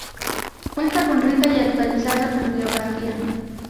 Cuenta con rica y actualizada bibliografía.